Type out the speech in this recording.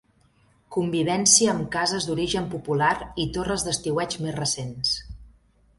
Convivència amb cases d'origen popular i torres d'estiueig més recents.